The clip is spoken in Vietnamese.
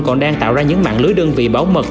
còn đang tạo ra những mạng lưới đơn vị bảo mật